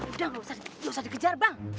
udah nggak usah dikejar bang